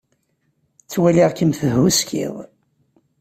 Ttwaliɣ-kem tehhuskid.